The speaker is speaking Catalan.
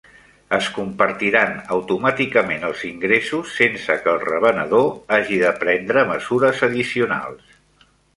Es compartiran automàticament els ingressos sense que el revenedor hagi de prendre mesures addicionals.